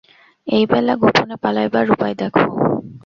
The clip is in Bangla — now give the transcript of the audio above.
এই বেলা গােপনে পালাইবার উপায় দেখ।